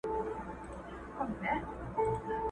o چي دايي گاني ډيري سي، د کوچني سر کوږ راځي٫